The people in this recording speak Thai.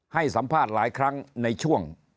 ให้สัมภาษณ์หลายครั้งในช่วง